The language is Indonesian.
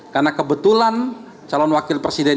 karena kebetulan calon wakil presiden